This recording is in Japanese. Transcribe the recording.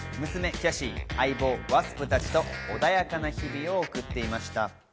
娘・キャシー、相棒・ワスプたちと、穏やかな日々を送っていました。